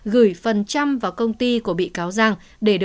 gửi phần trăm vào công ty của bị cáo giang